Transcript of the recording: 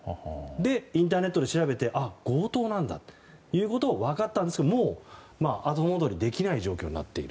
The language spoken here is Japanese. インターネットで調べて強盗なんだということが分かったんですが、もう後戻りできない状況になっている。